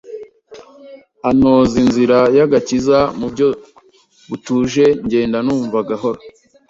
antoza inzira y’agakiza mu buryo butuje ngenda numva gahoro